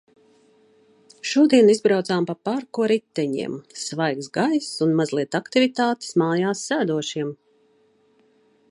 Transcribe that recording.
Šodien izbraucām pa parku ar riteņiem – svaigs gaiss un mazliet aktivitātes mājās sēdošiem.